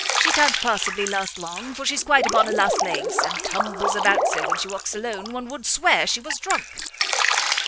She can't possibly last long, for she's quite upon her last legs, and tumbles about so when she walks alone, one would swear she was drunk."